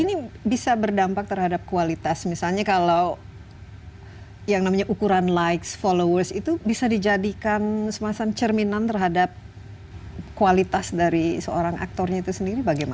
ini bisa berdampak terhadap kualitas misalnya kalau yang namanya ukuran likes followers itu bisa dijadikan semacam cerminan terhadap kualitas dari seorang aktornya itu sendiri bagaimana